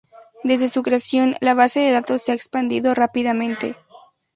Desde su creación, la base de datos se ha expandido rápidamente.